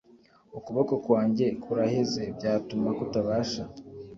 ukuboko kwanjye kuraheze byatuma kutabasha